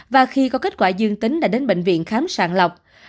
và khi có kết quả dương tính đã đến bệnh viện khám sàng lọc